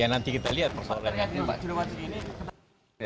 ya nanti kita lihat persoalannya